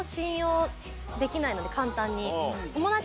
簡単に。